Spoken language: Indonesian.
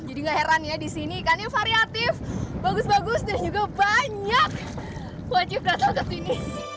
jadi gak heran ya di sini ikannya variatif bagus bagus dan juga banyak wajib datang ke sini